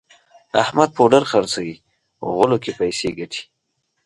احمد پوډر خرڅوي غولو کې پیسې ګټي.